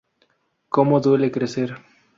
Como duele crecer".